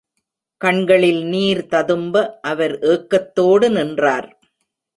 கண்களில் நீர் ததும்ப அவர் ஏக்கத்தோடு நின்றார்.